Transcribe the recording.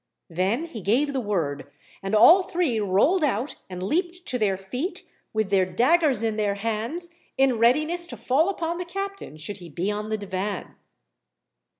Then he gave the word, and all three rolled out and leaped to their feet, with their daggers in their hands, in readiness to fall upon the captain should he be on the divan.